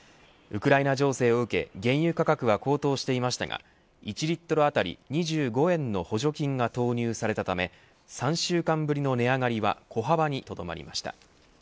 ウクライナ情勢を受け原油価格は高騰していますが１リットル当たり２５円の補助金が投入されたため３週間ぶりの値上がりは小幅にとどまりました。